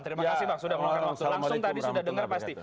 terima kasih bang sudah meluangkan waktu langsung tadi sudah dengar pasti